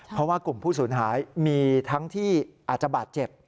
เพราะว่ากลุ่มผู้สูญหายมีทั้งที่อาจจะบาดเจ็บ